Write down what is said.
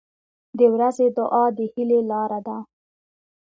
• د ورځې دعا د هیلې لاره ده.